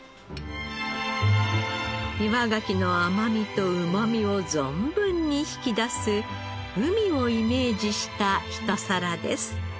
岩ガキの甘みとうまみを存分に引き出す海をイメージした一皿です。